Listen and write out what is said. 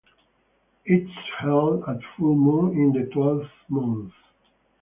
It is held at full moon in the twelfth month.